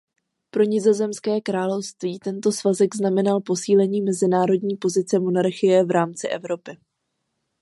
Pro Nizozemské království tento svazek znamenal posílení mezinárodní pozice monarchie v rámci Evropy.